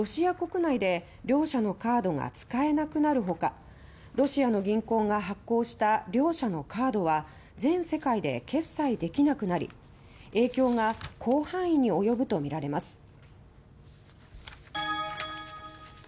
両社のカードはロシア国内で使えなくなるほかロシアの銀行が発行した両社のカードは全世界で決済できなくなり影響が広範囲に及ぶとみられます。